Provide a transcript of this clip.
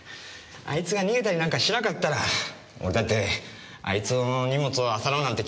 あいつが逃げたりなんかしなかったら俺だってあいつの荷物を漁ろうなんて気は起きなかった。